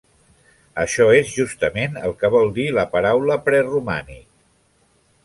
Això és justament el que vol dir la paraula preromànic.